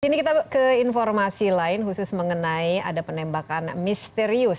kini kita ke informasi lain khusus mengenai ada penembakan misterius